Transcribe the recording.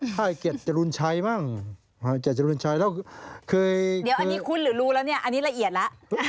เดี๋ยวอันนี้คุ้นหรือรู้แล้วเนี่ยอันนี้ละเอียดละ